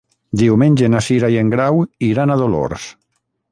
Diumenge na Cira i en Grau iran a Dolors.